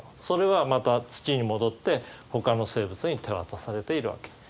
それはまた土に戻ってほかの生物に手渡されているわけ。